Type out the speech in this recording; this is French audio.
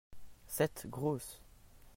Cette grosse.